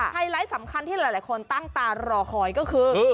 ไลท์สำคัญที่หลายคนตั้งตารอคอยก็คือ